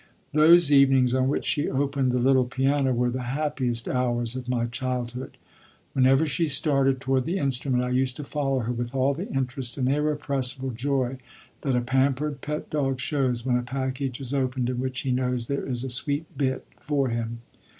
Those evenings on which she opened the little piano were the happiest hours of my childhood. Whenever she started toward the instrument, I used to follow her with all the interest and irrepressible joy that a pampered pet dog shows when a package is opened in which he knows there is a sweet bit for him.